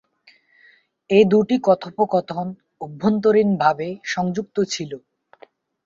এই দুটি কথোপকথন অভ্যন্তরীণভাবে সংযুক্ত ছিল।